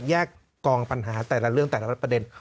แยกกองปัญหาแต่ละเรื่องแต่ละประเด็น